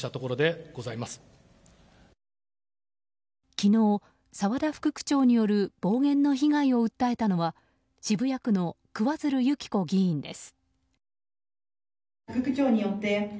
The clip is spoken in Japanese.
昨日、沢田副区長による暴言の被害を訴えたのは渋谷区の桑水流弓紀子議員です。